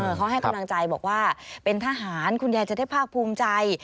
เขาให้กำลังใจบอกว่าเป็นทหารคุณยายจะได้ภาคภูมิใจ